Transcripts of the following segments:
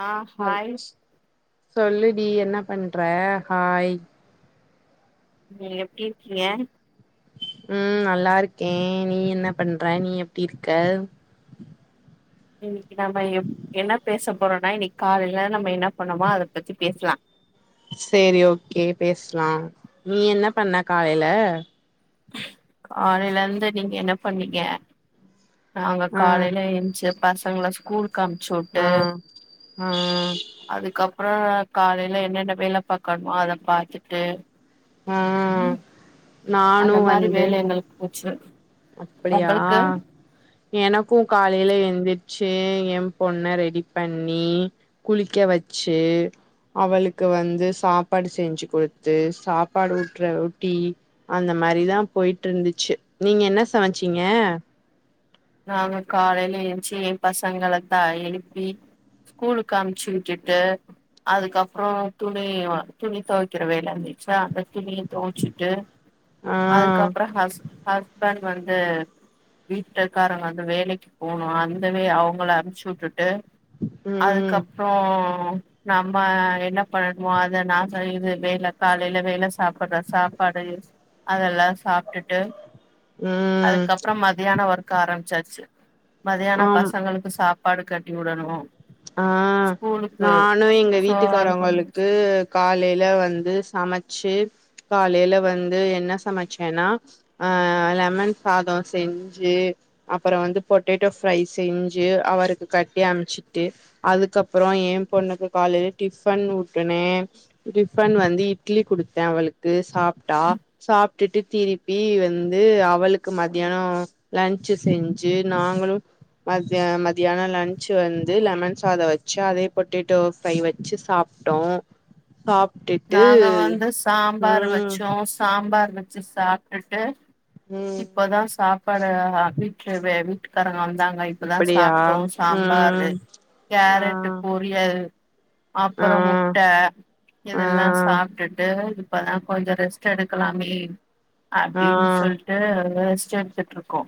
ஆ அது ஹாய் சொல்லுடி என்ன பண்ற ஹாய் நீங்க எப்டி இருக்கிங்க ம் நல்லா இருக்கே நீ என்ன பண்ற நீ எப்டி இருக்க ம் இன்னைக்கு நம்ம என்ன பேச போறோனா இன்னைக்கு காலைல நம்ம என்ன பண்ணோமோ அத பத்தி பேசலா சேரி ஓகே பேசலா நீ என்ன பண்ண காலைல காலைல இருந்து நீங்க என்ன பண்ணீங்க நாங்க ஆ காலைல எஞ்சு பசங்கள ஸ்கூல்க்கு அனுப்ச்சுவுட்டு ஆ ஆ அதுக்கப்புறோ காலைல என்னென்ன வேல பாக்கனுமோ அத பாத்துட்டு ஆ ம் நானு வந்து போச்சு அப்டியா உங்களுக்கு எனக்கு காலைல எந்துருச்சு எ பொண்ண ரெடி பண்ணி குளிக்க வச்சு அவளுக்கு வந்து சாப்பாடு செஞ்சு கொடுத்து சாப் சாப்பாடு ஊட்ற ஊட்டி அந்த மாரிதா போயிட்டு இருந்துச்சு நீங்க என்ன சமச்சீங்க நாங்க காலைல எஞ்சு எ பசங்கள தா எழுப்பி கூலுக்கு அம்ச்சு விட்டுட்டு அதுக்கப்புற துணி வ துணி துவைக்கிற வேல இருந்துச்சா அந்த துணிய துவச்சுட்டு ஆ அதுக்கப்புற ஹஸ் ஹஸ்பண்ட் வந்து ட்டல்காரங்க வந்து வேலைக்கு போனு அந்த வே அவுங்கள அனுப்ச்சு வுட்டுட்டு அதுக் ம் அப் ப்றோ நம்ம என்ன பண்ணணுமோ அதை நா [unintelligible] வேல காலைல வேல சாப்புடுற சாப்பாடு அதெல்லா சாப்ட்டுட்டு ம் அதுக்கப்புற மத்தியான ஒர்க் ஆரம்பிச்சாச்சு மதியான ஆம் பசங்களுக்கு சாப் பாடு கட்டி வுடணு ஆ நானு எங்க சோ அது கொஞ்சோ வீட்டுக்காரவங்களுக்கு காலைல வந்து சமச்சு காலைல வந்து என்ன சமச்சேனா ஆ லெமன் சாதோ செஞ்சு அப்புற வந்து பொட்டேட்டோ ஃப்ரை செஞ்சு அவருக்கு கட்டி அனுப்ச்சு ட்டு அதுக்கப்புற எ பொண்ணுக்கு காலைல டிஃபன் ஊட்டுனே டிஃபன் வந்து இட்லி குடுத்தே அவளுக்கு சாப்ட்டா சாப் ட்டுட்டு திருப்பி வந்து அவளுக்கு மத்தியானோ லன்ச்சு செஞ்சு நாங்களு மத்திய மத்தியான லன்ச்சு வந் து லெமன் சாத வச்சு அதே பொட்டேட்டோ ஃப்ரை வச்சு சாப்ட்டோ சாப்ட்டுட்டு நாங்க வந்து சாம்பார் ம் வச்சோ சாம்பார் வச்சு சாப்ட்டுட்டு ம் இப்பதா சாப்பாட வீட்ல வே வீட்டுக்காரங்க வந்தாங் அ இப்ப தா அப்படியா சாப்ட்டோ சாம்பாரு ம் ஆ கேரட்டு பொ ரியல் ஆ அப்பறோ முட்ட ஆ இதெல்லா சாப்ட்டுட்டு இப்பதா கொஞ்ச ரெஸ்ட் எடுக்கலாமே ஆ அப்டின்னு சொல்ட்டு ரேஸ்ட் எடுத்துட்டு இருக்கோ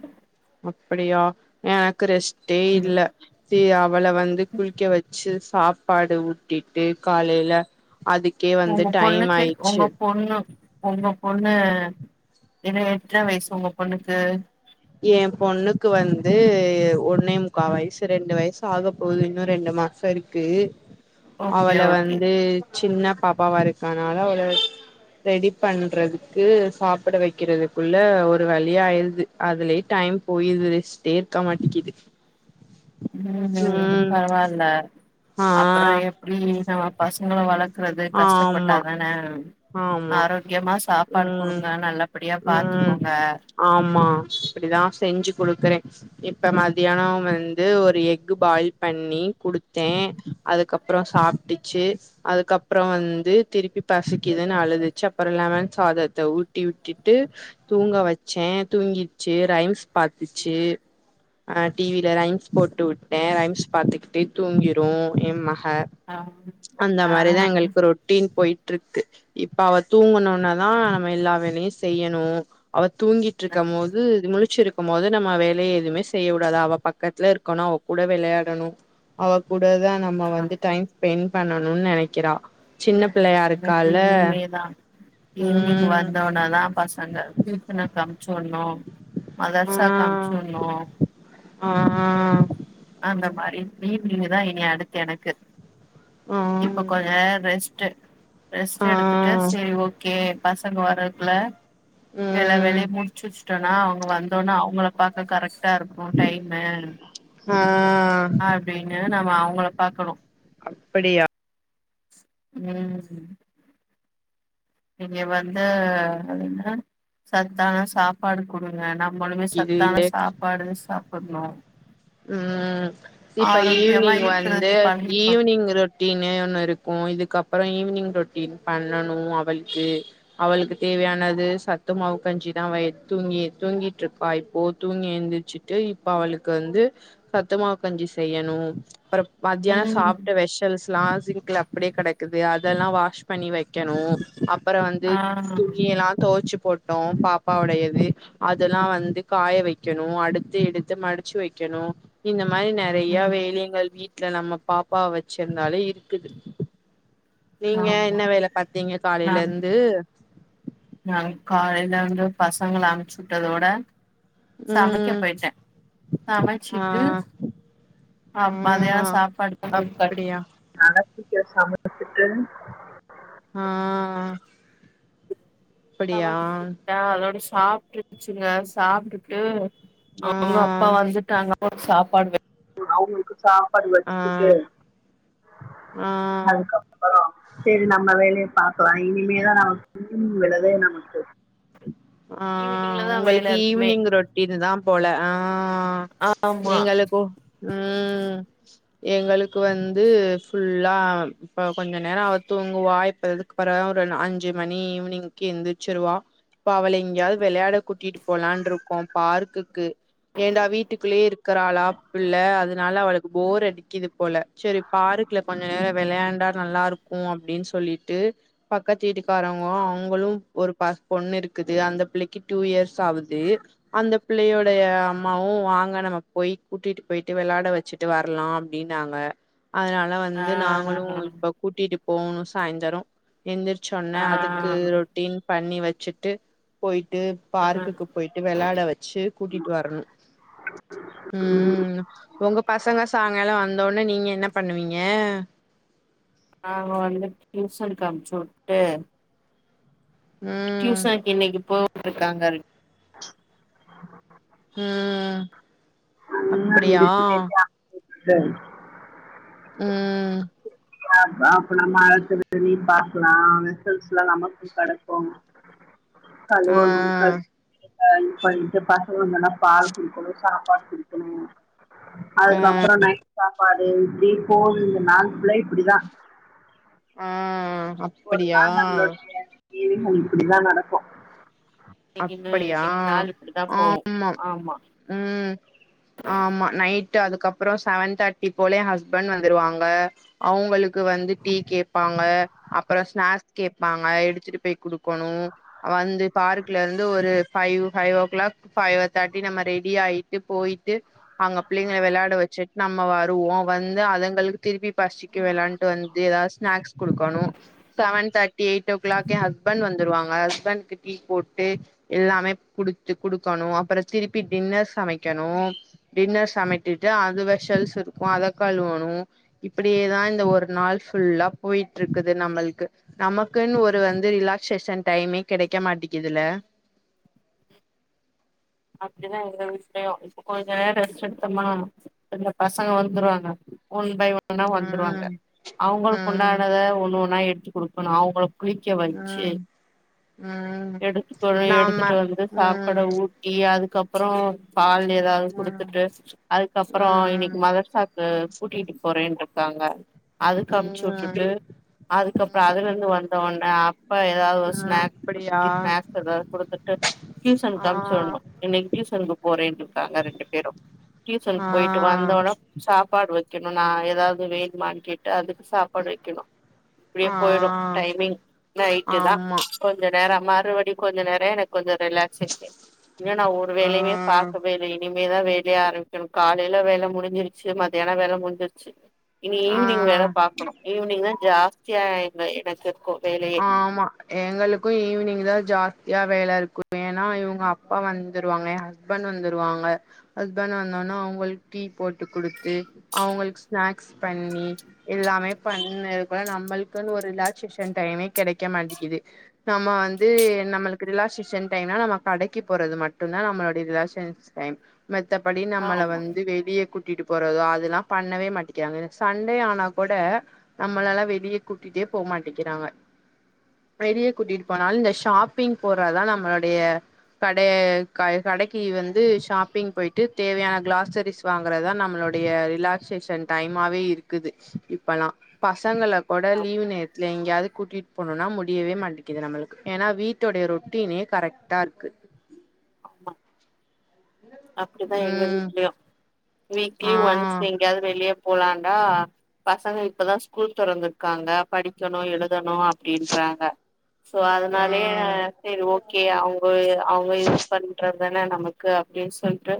அப்படியா எனக்கு ரெஸ்டே ம் இல்ல தி ‌ அவள வந்து குளிக்க வச்சு சாப்பாடு ஊட்டிட்டு காலைல அதுக்கே வந்து உங்க டைம் பொண்ணுக்கு உங்க ஆயிச்சு பொண்ணு உங்க பொண்ணு என்ன [unintelligible] வயஸ் உங்க பொண்ணுக்கு ஏ பொண்ணுக்கு வந்து ஒன்னே முக்கா வயஸ் ரெண்டு வயஸ் ஆக போகுது இன்னும் ரெண்டு மாசொ இருக் குது ஓகே அவள ஓகே வந்து சின்ன பாப்பாவா இருக்கர்னால அவள ரெடி பண்றதுக்கு சாப்பிட வைக்கிறதுக்குள்ள ஒரு வழியா ஆயிடுது அதுலயே டைம் போய்டுது ரோஸ்ட்டே இருக்க மாட்டேங்குது ம் ம் பரவாயில்லா ஆ அப்புறோ எப்டி நம்ம பசங்கள வளர்க் குறது கஷ்டப் ஆமா பட்டாங்கனே ஆமா ஆரோக்கியமா சாப்பாடு ம் கொடுக்கலா நல்லபடியா ம் பாத்துக்கோங்க ஆமா அப்டிதா செஞ்சு கொடுக்குறே இப்ப மதியானோ வந்து ஒரு எக் பாயில் பண்ணி குடுத்தே அதுக்கப்புறோ சாப்பிட்டுச்சு அதுக்கப்புறோ வந்து திருப்பி பசிக் க்குதுன்னு அழுதுச்சு அப்புறோ லெமன் சாதத்தை ஊட்டி விட்டுட்டு தூங்க வச்சே தூங்கிர்ச்சு ரைம்ஸ் பாத்துச்சு ஆ டிவிலா ரைம்ஸ் போட்டு வுட்டே ரைம்ஸ் பாத்துக்கிட்டே தூங்கிரூ எ மக ஆ அந்த ஆ மாரிதா எங்களுக்கு ரொட்டீன் போயிட்டிருக்கு இப்ப அவ தூங்கணுட்னே தா நம்ம எல்லா வேலயூ செய்யணோ அவ தூங்கி ட்ருக்கும் போது முழுச்சிர் ருக்கூ போது நம்ம வேலய எதுவுமே செய்ய கூடது அவ பக்கத்துல இருக்கணோ அவ கூட விளயாடணூ அவ கூடதா நம்ம ஆ வந்து டைம் ஸ்பெண்ட் பண்ணணும்னு நெனைக்கிறா சின்ன பிள்ளையாட் எனக்கு இனிமே தா ஈவினிங் ம் வந்தா போனாதா பசங்க [unintelligible] அன்ப்சிவுட்னோ மதர்சாக்கு ஆ அன்ப்சிவுட்னோ ஆ அந்த மாரி பீ பிளிங்கா தா இங்க அடுத்து எனக்கு இப்ப கொஞ்செ நேரோ ரெஸ்ட் டு ரெஸ்ட் ஆ எடுத்துட்டு ஆ சரி ஓகே பசங்க வரக்குல்ல இப்ப எல்லா ம் வேலயூ முடிச்சுச்சு ட்டோம்னா அவங்க வந்தவுட்னே அவங்கள பாக்க கரெக்ட்டா இருக்கூ டைமு அஹ் அப்டின்னு நம்ப அவங்கள பாக்கணோ அப்படியா ம் ஹூம் நீங்க வந்து அது என்ன சத்தான சாப் பாடு குடுங்க நம்மளுமே சத்தான இது சாப்பாடு சாப்பிட்ணோ ம் இப்ப ஆரோக்கியமா ஈவினிங் வந்து இருக்கறதுக்கு பழகிக்கணு ஈவினிங் இரூப் ட்டீனே ஒண்ணூ இருக்கோ இதுக்கப்புறோ ஈவினிங் ரொட்டீன் பண்ணணோ அவள்க்கு அவளுக்கு தேவையானது சத்தமாவு கஞ்சிதா வெயித் தூங்கி தூங்கிட்டு இருப்பா இப்போ தூங்கி எழுந்துர்ச்சு டூ இப்ப அவளுக்கு வந்து சத்துமாவு கஞ்சி செய்யணூ அப்புறோ மத்தியானோ ம் சாப்ட்ட வெஷல்ஸ் ளா சிங்கள அப்படியே கெடக்குது அதெல்லா வாஷ் பண்ணி வைக்கணோ அப்புறோ வந்து ஆ துனியெல்லா துவச்சு போட்டு அப்றோ பாப்பாவுடையது அதெல்லாம் வந்து காய வைக்கணூ அடுத்து எடுத்து மடிச்சு வைக் க்கணோ இந்த மாதிரி நெறய ம் வேலைகள் வீட் ல நம்ப பாப்பா வச்சிருந்தாலே இருக்குது நீங்க ஆமா என்ன வேல பாத்தீங்க காலயில இருந்து நா காலில வந்து பசங்க அம்மிச்சுட்டதோட சமக்க ம் போய்ட்டே ஆ சமச்சிட்டு ஆ அப் மதியானோ சாப்பாடு [inaudible] கட்டிகுட் அப்டியா நடக்குத்த சமத்துத்துட்டு ஆ அப்டியா கவன் டா அதோட சாப்ட்டுருச்சுங்க சாப்ட்டுட்டு ஆ அவங்க அப்பா வந்துட்டாங்க ஒரு சாப்பாடு வெ சாப்பாடு வச் ஆ டிட்டு ஆ அதுக்கப் செரி நம்ம வேல்ய பாக்கலா இனிமேதா நமக் [inaudible] தே நமக்கு ஆ ஈவினிங்ல தா வேல உங்கள்க்கு இருக்குமே ஈவ்னிங் ரொட் இருந்தா போல ஆ ஆமா எங்களுக்கு ம் எங்களுக்கு வந்து ஃபுல்லால் போ கொஞ்சம் நேர அவ தூங்குவா இப்பதுக் பரா ஒருன்னா அஞ்சு மணி ஈவ்னிங்க்கி எந்திச்சுருவா பா அவளை எங்யாவ் விளையாட கூட்டிட்டு போலான் ருக்கோ பார்குக்கு ஏன்டா வீட்டுக்குள்ளே இருக்குறாளாப் பிள்ள அதுனால அவளக் போர் அடிக்கிது போல ச்செரி பாருக்ல கொஞ்ச நேர விளையாண்டா நல்லாருக்கு அப்டின் சொல்லிட்டு பக்க தீட்டுக்காரங்கோ அவ்ங்களு ஒரு பாஸ் பொண்ணிர் க்குது அந்த பிள்ளைக்கி டூ இயர்ஸ் ஆவுது அந்த பிள்ளையோட அம்மாவு வாங்க நம்ம போய் கூட்டிட்டு போயிட்டு விளையாட வ ச்சுட்டு வர்லா அப்டினாங்க அதனால ஆ வந்து நாங்களு இப்பக் கூட்டிட்டு போணு சாய்ந்தரு எந்திர்ச் சொன்னே ஆ அதுக்கு ரொட்டீன் பண்ணி வச்சுட் ட்டு போய்ட்டு பார்க்குக்கு போய்ட்டு வெளாட வச்சு கூட்டிட் வரணு ம் உங்க பசங்க சாங்காலோ வந்தோனே நீங்க என்ன பண்ணுவீங்க நாங்க வந்து ட்யூசன்க்கு அம்ச்சுட்டு ம் டியூசன்க்கு இன்னிக்கு போகயிருக்காங்கர் ம் அப்படியா தெய் ம் அப்ப நம்ம அத்துல நீ பாக்கலா வெசல்ஸ்லா நமக்கு கடக்கும் ஆ கழுவணு கழு [inaudible] பன்ட்டு பசங்க வந்தன்னா பால் குடுக்குணு சாப் ஆ அதுக்கப்றோ நைட் சாப்பாடு இத்ரி போல் இந்த நால்புலை இப்டிதா ஆ அப் ஒரு நாள் நம்ளுடைய ஜிவிசம் இப்டிதா நடக்கு நிக் இன்னு அப்படியா இன்னிக்கி நாலு இப்டி தா போவ் ஆமா ம் ஆமா நைட்டு அதுக்கப்பறோ செவன் தர்ட்டி போலே ஹஸ்பண் வந்துருவாங்க அவ்ங்களுக் க்கு வந்து டீ கேப்பாங்க அப்ற ஸ்நாஸ்க் கேப்பாங்க எடுத்துட்டு போய் குடுக்கொணு அவந்து பாரு ட்லர்ந்து ஒரு ஃபைவ் ஹை ஓ க்ளாக்கு ஃபைவ்வ தாட்டி நம்ம ரெடி ஆயிட்டு போய்ட்டு அங்க பிளைங்கள விளையாட வச்சுட் நம்ம வருவோ வந்து அதுங்களுக்கு திருப்பி பஷ் திக்க வெளான்ட்டு வந்து ஏதா ஸ்நாக்ஸ் குடுக்கணு செவன் தர்ட்டி எய்ட் ஓ க்ளாக்கே ஹஸ்பண் வந்துருவாங்க ஹஸ்பண்க்கு டீ போட் ட்டே எல்லாமே குடுத்து குடுக்கணு அப்பற திருப்பி டின்னர் சமைக்கணு டின்னர் சமைத்துட்டு அது வெஷல்ஸ் இருக்கு அத கழுவணு இப்பிடியேதா இந்த ஒரு நாள் ஃபுல்லா போயிட்ருக்குது நம்மளுக்கு நமக்குன் ஒரு வந்து ரிலாக்சேஷன் டைமே கெடைக்க மாட்டேங்குதுல்ல அப்டிதா எங்க வீட்லயு இப்ப கொஞ்ச நேர ரெஸ்ட் எடுத்தமா இந்த பசங்க வந்துருவாங்க ஒன் பை ஒன்னா வந்துருவாங்க ம் அவங்களுக்கு ம் உண்டானத ஒண்ணு ஒன்னா எடுத்து குடுக்கணு அவங்கள குளிக்க வச்சு ம் ம் எடுத்துக்கணு நாம எடுத்துட்டு வந்து ம் சாப்பாட ஊட்டி அதுக்கப் ற பால் ஏதாவது ம் குடுத்துட்டு அதுக்கப்புற ம் இன்னைக்கு மதர் சாக்கு கூட்டிகிட்டு போறேன்ருக்காங்க அதுக்கு அமிச்சு ம் உட்டுட்டு அதுக்கப்பற அதுல இருந்து வந்த ஒன்ன அப்ப ஏதாவது ஆ ஸ்நாக் அப்படியா க்கி ஸ்நேக்ஸ் எதாவது குடுத்துட்டு ட்யூசனுக் ஆ அனுப் ச்சுடனு இன்னைக்கு டியூசனுக்கு போறேனுருக்காங்க ரெண்டு பேரு ஆ டியூசனுக் போயிட்டு வந்தோன சாப்பாடு வெக்கணு நா ஏதாவது வேனுமானு கேட் டு அதுக்கு சாப்பாடு வெக்கணு இப்டியே ஆ போயிடு டைமிங் நைட்டுதா ஆமா கொ ஞ்ச நேர மறுபடி கொஞ்ச நேர எனக்கு கொஞ்ச ரிலாக்சேஷன் இல்ல நா ஆ வேலயவே பாக்கவேலயே இனிமேதா வேலைய ஆரம்பிக்கணு காலையில வேலை முடிஞ்சிருச்சு மத்தியான வேலை முடிஞ்சிருச்சு இனி ஈவினிங் வேல ஆ பாக்கணு ஈவினிங்தா ஜாஸ்தியா எங்க எனக்கு இருக்கு வேலையே ஆமா எங்களுக்கு ஈவினிங்தா ஜாஸ்தியா வேல இருக்குமே ஏன்னா இவங்க அப்பா வந்துருவாங்க எ ஹஸ்பண்ட் வந்துருவாங்க ஹஸ்பண்ட் வந்தோன அவங்களுக்கு டீ போட்டு குடுத்து அவங்களுக்கு ஸ்நாக்ஸ் பண்ணி எல்லாமே பண்ணது கூட நம்மளுக்குன்னு ஒரு ரிலாக்சேஷன் டைமே கெடைக்க மாட்டிக்குது நம்ம வந்து நம்மளுக்கு ரிலாக்சேஷ டைம்னா நம்ம கடைக்கு போறது மட்டும்தா நம்மளுடைய ரிலாக்ஷேஷன் மத்தப்படி நம்மள ஆமா வந்து வெளிய கூ ட்டிட்டு போறதோ அதெல்லா பண்ணவே மாட்டேக்கிறாங்க சண்டே ஆனா கூட நம்மளலா வெளிய கூட்டிட்டே போ மாட்டேக்கிறாங்க வெளிய கூட்டிட்டு போனாலு இந்த ஷாப்பிங் போறதா நம்மளுடைய கட கடைக்கு வந்து ஷாப்பிங் போயிட்டு தேவையான கிளாஸரிஸ் வாங்கறதா நம்மளுடைய ரிலாக்சேஷன் டைமாவே இருக்குது இப்பல்லா பசங்கள கோட ஆமா லீவ் நேத்துல எங்கியாது கூட்டிட்டு போணுனா முடியவே மாட்டேக்கிது நம்மளுக்கு ஏன்னா வீட்டோடைய ரொட்டினே கரெக்ட்டா இருக்கு ஆமா அப்டிதா எங்க ம் வீட்லயு வீக்லி ஆ ஒன்ஸ் எங்கயாவது வெளிய போலான்டா பசங்க இப்பதா ஸ்கூல் தொறந்துருக்காங்க படிக்கனு எழுதனு அப் டின்றாங்க சோ ஆ அதனாலயே செரி ஓகே அவுங்க அவுங்க இது பண்றதானே நமக்கு அப்டின் சொல்ட்டு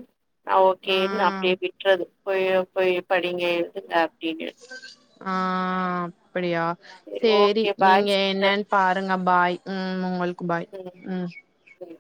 அ ஆ ஓகேன்னு அப்டியே விட்றது போய் போய் படிங்க எழுதுங்க அப்டின்னு ஆ அப்படியா சரி சேரி ஓகே பாய் நீங்க சிஸ்டர் என்னன் பாருங்க பாய் ம் உங்களுக்கு பாய் ம் ம் ம்